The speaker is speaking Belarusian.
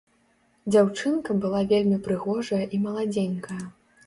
Дзяўчынка была вельмі прыгожая і маладзенькая.